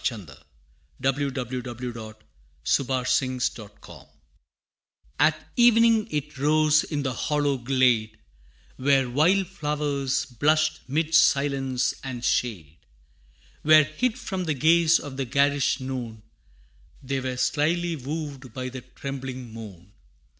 [Illustration: The First Frost of Autumn] At evening it rose in the hollow glade, Where wild flowers blushed 'mid silence and shade; Where, hid from the gaze of the garish noon, They were slily wooed by the trembling moon.